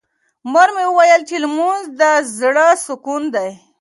مور مې وویل چې لمونځ د زړه سکون دی.